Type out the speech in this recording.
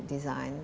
desain yang unik